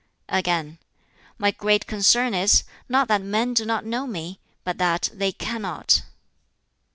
Again, "My great concern is, not that men do not know me, but that they cannot."